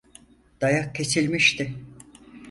Dayak kesilmişti.